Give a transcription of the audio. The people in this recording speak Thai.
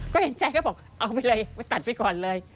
ก็เห็นใจก็บอกเอาไปเลยไปตัดไปก่อนเลย